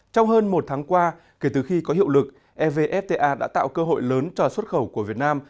trong hơn một tháng qua kể từ khi có hiệu lực evfta đã tạo cơ hội lớn cho xuất khẩu của việt nam